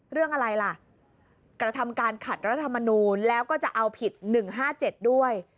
เรื่องอะไรล่ะกระทำการขัดรัฐมนูลแล้วก็จะเอาผิด๑๕๗ด้วย